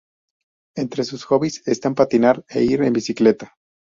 Entre sus hobbies están patinar e ir en bicicleta.